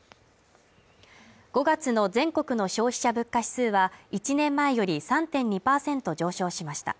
５月の全国の消費者物価指数は１年前より３．２％上昇しました。